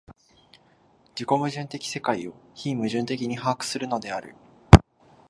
自己矛盾的世界を非矛盾的に把握するのである。